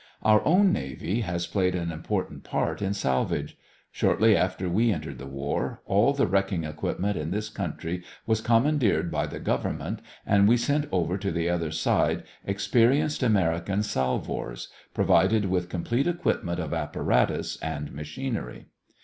Our own navy has played an important part in salvage. Shortly after we entered the war, all the wrecking equipment in this country was commandeered by the government and we sent over to the other side experienced American salvors, provided with complete equipment of apparatus and machinery.